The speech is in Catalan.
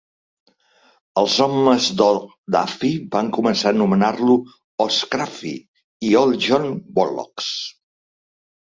Els homes d'O'Duffy van començar a anomenar-lo "O'Scruffy" i "Old John Bollocks".